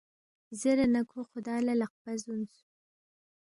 زیرے نہ کھو خُدا لہ لقپہ زُونس